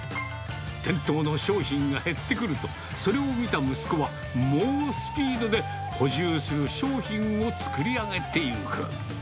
店頭の商品が減ってくると、それを見た息子は、猛スピードで補充する商品を作り上げていく。